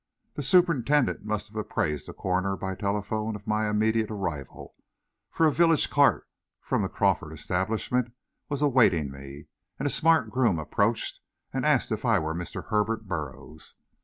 The superintendent must have apprised the coroner by telephone of my immediate arrival, for a village cart from the Crawford establishment was awaiting me, and a smart groom approached and asked if I were Mr. Herbert Burroughs.